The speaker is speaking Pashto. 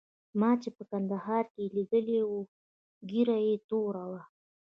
ما چې په کندهار کې لیدلی وو ږیره یې توره وه.